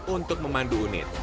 untuk memandu unit